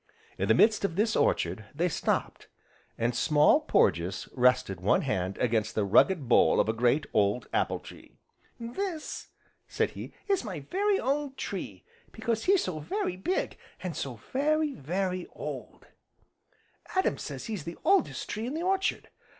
In the midst of this orchard they stopped, and Small Porges rested one hand against the rugged bole of a great, old apple tree. "This," said he, "is my very own tree, because he's so very big, an' so very, very old, Adam says he's the oldest tree in the orchard.